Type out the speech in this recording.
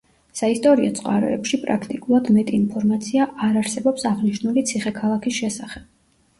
საისტორიო წყაროებში პრაქტიკულად მეტი ინფორმაცია არ არსებობს აღნიშნული ციხე ქალაქის შესახებ.